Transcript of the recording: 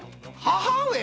母上？